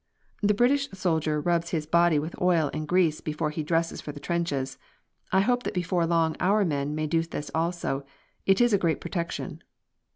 The British soldier rubs his body with oil and grease before he dresses for the trenches. I hope that before long our men may do this also. It is a great protection."